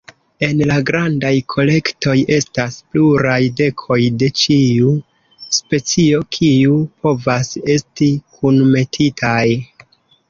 En la grandaj kolektoj, estas pluraj dekoj de ĉiu specio kiuj povas esti kunmetitaj.